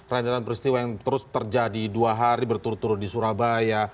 ranjatan peristiwa yang terus terjadi dua hari berturut turut di surabaya